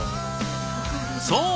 そう。